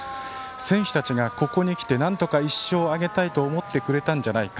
選手たちがここに来てなんとか１勝を挙げたいと思ってくれたんじゃないか。